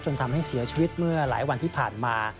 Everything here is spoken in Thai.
ทำให้เสียชีวิตเมื่อหลายวันที่ผ่านมา